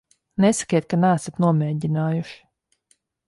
Nesakiet, ka neesat nomēģinājuši.